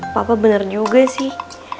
papa bener juga sih